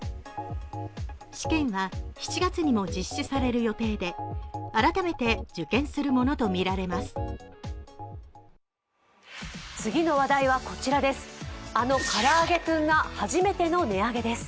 試験は、７月にも実施される予定で改めて受験するものとみられます。